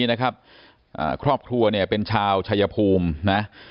นะครับครอบครัวเนี่ยเป็นชาวชายภูมินะ